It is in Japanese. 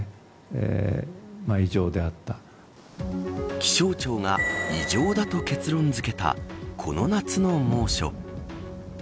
気象庁が異常だと結論づけたこの夏の猛暑。